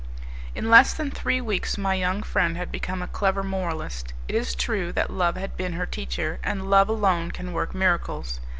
In less than three weeks my young friend had become a clever moralist; it is true that Love had been her teacher, and Love alone can work miracles.